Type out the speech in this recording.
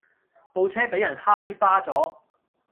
部車比人揩花左